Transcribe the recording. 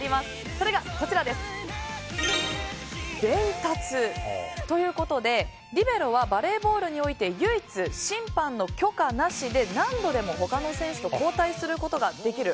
それが、伝達ということでリベロはバレーボールにおいて唯一、審判の許可なしで何度でも他の選手と交代することができる。